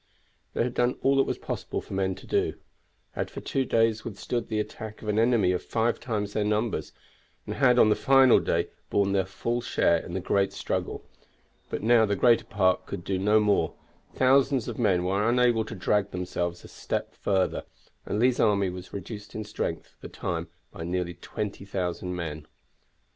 They had done all that was possible for men to do; had for two days withstood the attack of an enemy of five times their numbers, and had on the final day borne their full share in the great struggle, but now the greater part could do no more, thousands of men were unable to drag themselves a step further, and Lee's army was reduced in strength for the time by nearly 20,000 men.